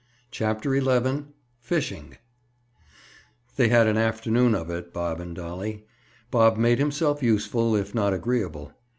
CHAPTER XI—FISHING They had an afternoon of it, Bob and Dolly. Bob made himself useful, if not agreeable.